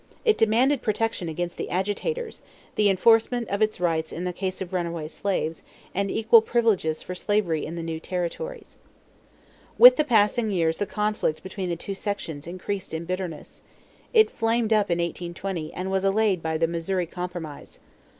It demanded protection against the agitators, the enforcement of its rights in the case of runaway slaves, and equal privileges for slavery in the new territories. With the passing years the conflict between the two sections increased in bitterness. It flamed up in 1820 and was allayed by the Missouri compromise.